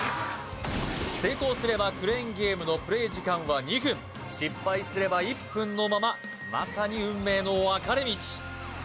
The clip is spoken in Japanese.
成功すればクレーンゲームのプレイ時間は２分失敗すれば１分のまままさに運命の分かれ道！